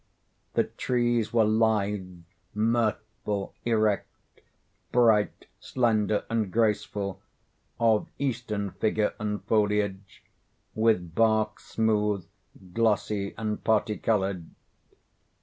The trees were lithe, mirthful, erect—bright, slender, and graceful,—of Eastern figure and foliage, with bark smooth, glossy, and parti colored.